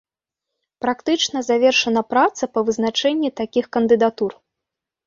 Практычна завершана праца па вызначэнні такіх кандыдатур.